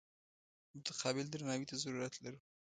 متقابل درناوي ته ضرورت لرو.